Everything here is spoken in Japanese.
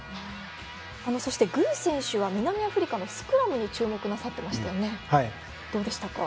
そして具選手は南アフリカのスクラムに注目なさってましたよね。